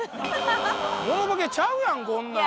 モノボケちゃうやんこんなん。